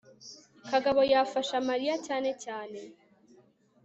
kagabo yafashe mariya cyane cyane